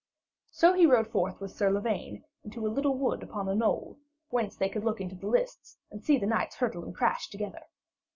So he rode forth with Sir Lavaine into a little wood upon a knoll, whence they could look into the lists and see the knights hurtle and crash together.